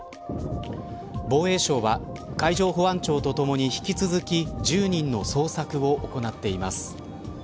防衛省は海上保安庁とともに引き続き１０人の捜索を行っています。